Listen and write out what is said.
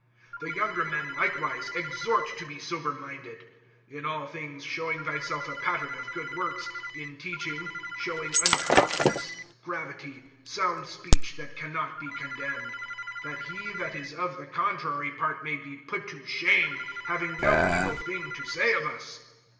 (6)The younger men likewise exhort to be sober minded. (7)In all things showing thyself a pattern of good works; in teaching, showing uncorruptness, gravity, (8)sound speech, that can not be condemned; that he that is of the contrary part may be put to shame, having no evil thing to say of us.